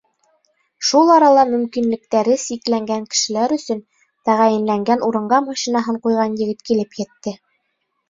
Шул арала мөмкинлектәре сикләнгән кешеләр өсөн тәғәйенләнгән урынға машинаһын ҡуйған егет килеп етте.